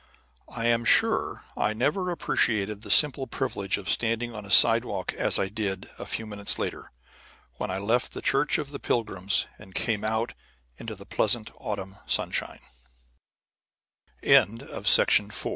I am sure I never appreciated the simple privilege of standing on a sidewalk as I did, a few minutes later, when I left the Church of the Pilgrims and came out into the ple